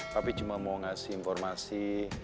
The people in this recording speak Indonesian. tapi cuma mau ngasih informasi